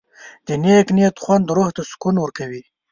د نیک نیت خوند روح ته سکون ورکوي.